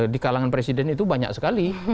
di kalangan presiden itu banyak sekali